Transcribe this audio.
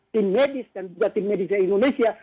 tim medis dan juga tim medisnya indonesia